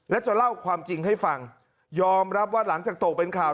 และจะเล่าความจริงให้ฟังยอมรับว่าหลังจากตกเป็นข่าว